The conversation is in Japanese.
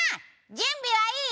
準備はいい？